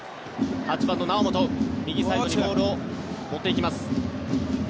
８番の猶本右サイドにボールを持っていきます。